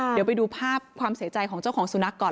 เดี๋ยวไปดูภาพความเสียใจของเจ้าของสุนัขก่อน